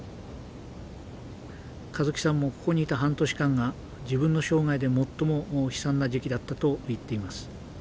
香月さんもここにいた半年間が自分の生涯で最も悲惨な時期だったと言っています。